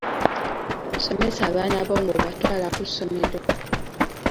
Somesa abaana bo ng'obatwala ku ssomero